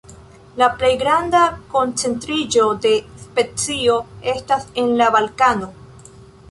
La plej granda koncentriĝo de specio estas en la Balkano.